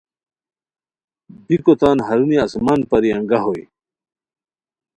بیکو تان ہرونیہ آسمان پری انگہ ہوئے